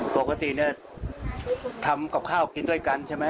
ปกติเนี่ยทำกับข้าวกินด้วยกันใช่ไหม